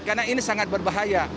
karena ini sangat berbahaya